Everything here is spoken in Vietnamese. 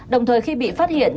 đồng thời khi bị phát hiện